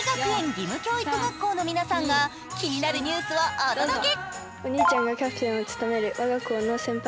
義務教育学校の皆さんが気になるニュースをお届け。